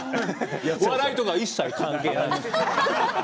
笑いとか一切関係ない。